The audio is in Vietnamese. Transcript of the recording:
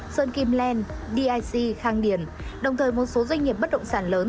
sơn kim len dic khang điền đồng thời một số doanh nghiệp bất đồng sản lớn